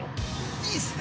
◆いいっすね。